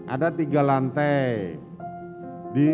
ada tiga lantai